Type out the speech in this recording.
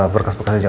berkas berkas aja mak